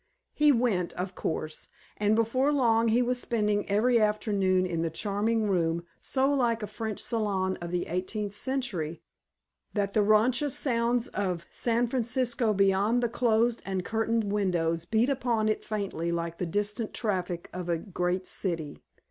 He went, of course. And before long he was spending every afternoon in the charming room so like a French salon of the Eighteenth Century that the raucous sounds of San Francisco beyond the closed and curtained windows beat upon it faintly like the distant traffic of a great city.